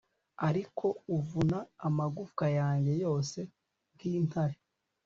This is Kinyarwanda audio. ariko uvuna amagufwa yanjye yose nk'intare